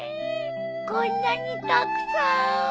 こんなにたくさん。